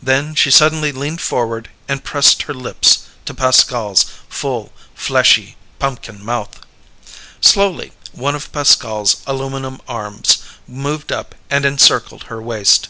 Then she suddenly leaned forward and pressed her lips to Pascal's full, fleshy pumpkin mouth. Slowly, one of Pascal's aluminum arms moved up and encircled her waist.